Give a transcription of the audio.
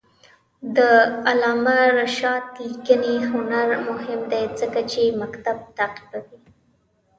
د علامه رشاد لیکنی هنر مهم دی ځکه چې مکتب تعقیبوي.